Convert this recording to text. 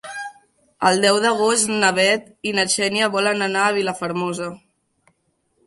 El deu d'agost na Bet i na Xènia volen anar a Vilafermosa.